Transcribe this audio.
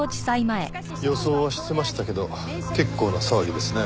予想はしてましたけど結構な騒ぎですね。